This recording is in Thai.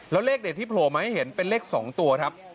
แล้วเลขเด็ดที่โผล่มาให้เห็นเป็นเลข๒ตัวครับ